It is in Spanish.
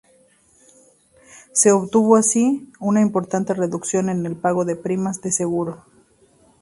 Se obtuvo así, una importante reducción en el pago de primas de seguro.